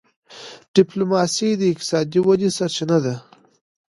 ډيپلوماسي د اقتصادي ودي سرچینه ده.